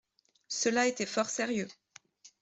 Cela était fort sérieux.